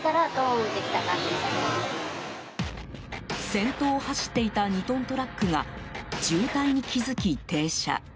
先頭を走っていた２トントラックが渋滞に気づき、停車。